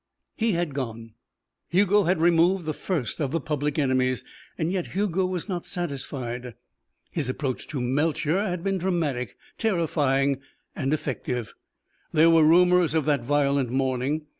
He had gone; Hugo had removed the first of the public enemies. Yet Hugo was not satisfied. His approach to Melcher had been dramatic, terrifying, effective. There were rumours of that violent morning.